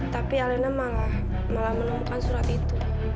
tapi alena malah menemukan surat itu